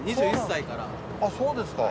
あっそうですか。